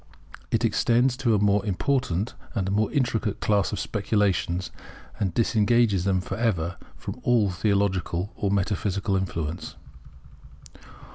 It extends to a more important and more intricate class of speculations, and disengages them for ever from all theological or metaphysical influence.